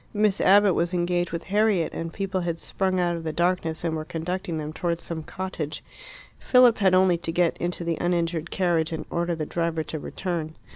Miss Abbott was engaged with Harriet, and people had sprung out of the darkness and were conducting them towards some cottage. Philip had only to get into the uninjured carriage and order the driver to return.